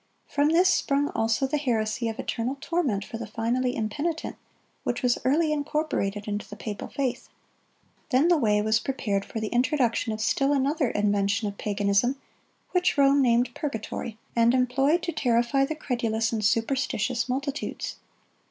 From this sprung also the heresy of eternal torment for the finally impenitent, which was early incorporated into the papal faith. Then the way was prepared for the introduction of still another invention of paganism, which Rome named purgatory, and employed to terrify the credulous and superstitious multitudes.